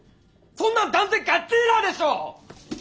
そんなん断然ガッジラでしょ！